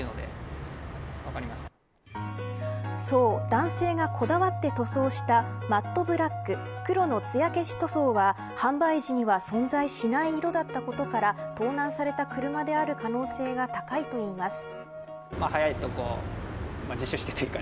男性がこだわって塗装したマットブラック黒のつや消し塗装は販売時には存在しなかったことから盗難された車である可能性が高いといいます。